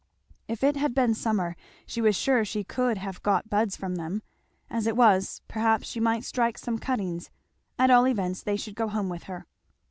If it had been summer she was sure she could have got buds from them; as it was, perhaps she might strike some cuttings; at all events they should go home with her.